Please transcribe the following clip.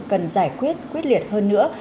cần giải quyết quyết liệt hơn nữa